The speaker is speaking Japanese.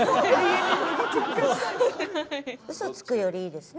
嘘つくよりいいですね。